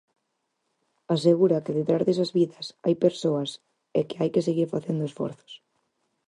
Asegura que detrás desas vidas hai persoas e que hai que seguir facendo esforzos.